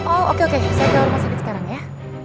oh oke oke saya ke rumah sakit sekarang ya